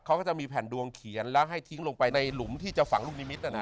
เขาก็จะมีแผ่นดวงเขียนแล้วให้ทิ้งลงไปในหลุมที่จะฝังลูกนิมิต